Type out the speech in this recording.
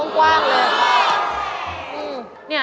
กว้างเลย